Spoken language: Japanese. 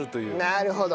なるほど。